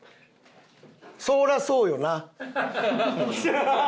そりゃそうよな！